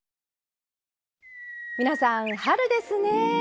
皆さん春ですね。